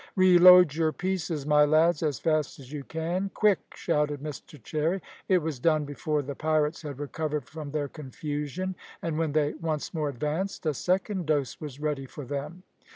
"Reload your pieces, my lads, as fast as you can quick!" shouted Mr Cherry. It was done before the pirates had recovered from their confusion, and when they once more advanced, a second dose was ready for them.